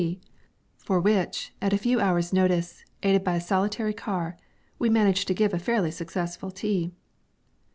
S.C., for which, at a few hours' notice, aided by a solitary car, we managed to give a fairly successful tea.